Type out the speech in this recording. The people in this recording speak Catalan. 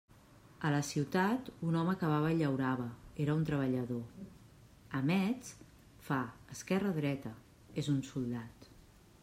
A la ciutat, un home cavava i llaurava: era un treballador; a Metz, fa «esquerra, dreta»: és un soldat.